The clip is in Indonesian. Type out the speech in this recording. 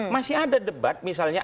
masih ada debat misalnya